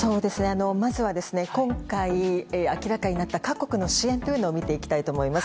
まずは今回、明らかになった各国の支援を見ていきたいと思います。